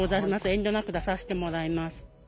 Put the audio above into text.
遠慮なく出させてもらいます。